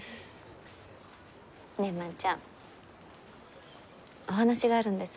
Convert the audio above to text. ねえ万ちゃんお話があるんです。